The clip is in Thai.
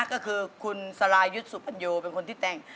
ก็คือคุณสรายุทธ์สุปัญโยเป็นคนที่แต่ง